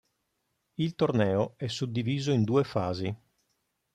Il torneo è suddiviso in due fasi.